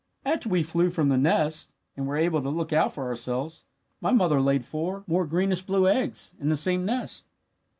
"After we flew from the nest, and were able to look out for ourselves, my mother laid four more greenish blue eggs in the same nest.